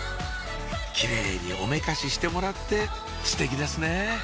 キレイにおめかししてもらってステキですね